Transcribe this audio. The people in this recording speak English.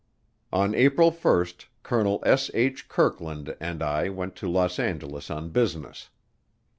On April 1, Colonel S. H. Kirkland and I went to Los Angeles on business.